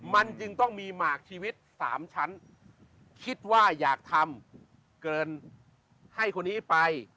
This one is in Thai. มันจึงต้องมีหมากชีวิตสามชั้นคิดว่าอยากทำเกินให้คนนี้ไป